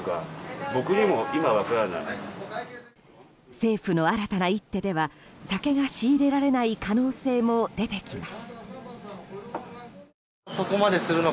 政府の新たな一手では酒が仕入れられない可能性も出てきます。